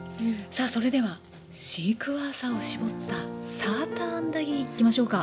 さあそれではシークワーサーを搾ったサーターアンダギーいきましょうか。